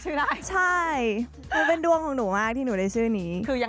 ได้ใช่มันเป็นดวงของหนูมากที่หนูได้ชื่อนี้คือยัง